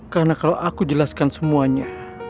karena kalau aku jelaskan semuanya